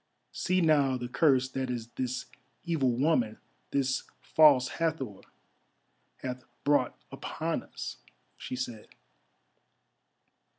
"See now the curse that this evil woman, this False Hathor, hath brought upon us," she said.